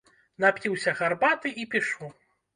Напіўся гарбаты і пішу.